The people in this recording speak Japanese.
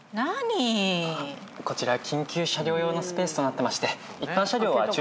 こちら緊急車両用のスペースとなってまして。